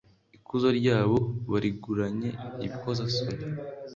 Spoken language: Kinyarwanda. Ikuzo ryabo bariguranye ibikozasoni.